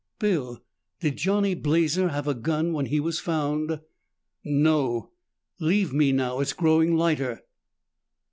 Bill, did Johnny Blazer have a gun when he was found?" "No. Leave me now. It's growing lighter."